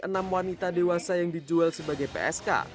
enam wanita dewasa yang dijual sebagai psk